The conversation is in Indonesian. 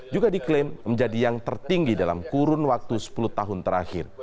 juga diklaim menjadi yang tertinggi dalam kurun waktu sepuluh tahun terakhir